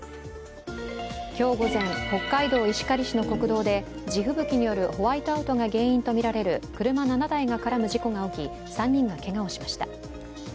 今日午前、北海道石狩市の国道で地吹雪によるホワイトアウトが原因とみられる車７台が絡む事故があり３人がけがをしました。